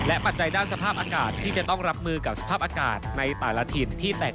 แอร์เรดส์วันที่ขาดไม่ได้จริง